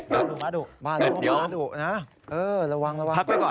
หมาดุหมาดุนะ